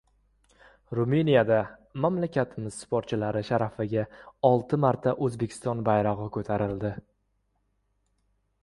Ruminiyada mamlakatimiz sportchilari sharafiga olti marta O‘zbekiston bayrog‘i ko‘tarildi